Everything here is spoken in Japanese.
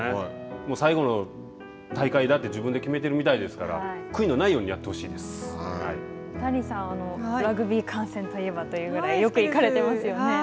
もう最後の大会だって自分で決めているみたいですから、悔いのな谷さんはラグビー観戦といえばというぐらいよく行かれてますよね。